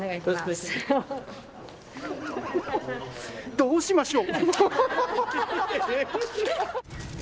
どうしましょう。